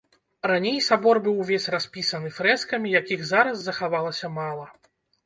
Раней сабор быў увесь распісаны фрэскамі, якіх зараз захавалася мала.